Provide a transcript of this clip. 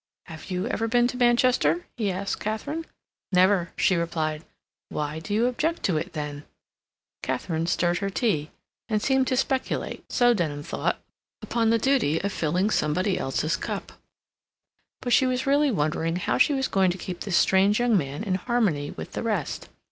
"Have you ever been to Manchester?" he asked Katharine. "Never," she replied. "Why do you object to it, then?" Katharine stirred her tea, and seemed to speculate, so Denham thought, upon the duty of filling somebody else's cup, but she was really wondering how she was going to keep this strange young man in harmony with the rest.